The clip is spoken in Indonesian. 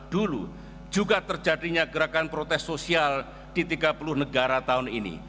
dulu juga terjadinya gerakan protes sosial di tiga puluh negara tahun ini